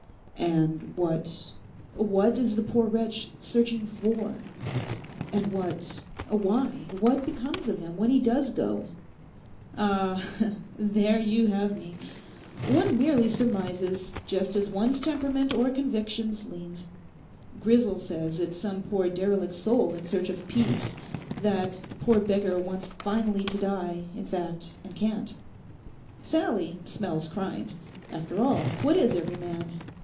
'And what—what is the poor wretch searching for? And what—why, what becomes of him when he does go?' 'Ah, there you have me! One merely surmises just as one's temperament or convictions lean. Grisel says it's some poor derelict soul in search of peace—that the poor beggar wants finally to die, in fact, and can't. Sallie smells crime. After all, what is every man?